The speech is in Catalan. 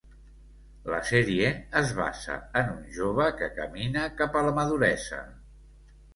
La sèrie es basa en un jove que camina cap a la maduresa.